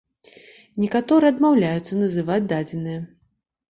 Некаторыя адмаўляюцца называць дадзеныя.